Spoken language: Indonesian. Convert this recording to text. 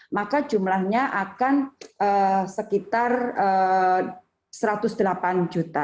maka jumlahnya akan sekitar satu ratus delapan juta